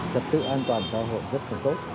thật sự an toàn xã hội rất là tốt